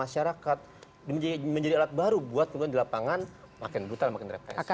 arah masyarakat menjadi alat baru buat kebutuhan di lapangan makin brutal makin represi